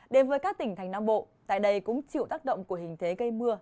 đến với các tỉnh thành nam bộ tại đây cũng chịu tác động của hình thế gây mưa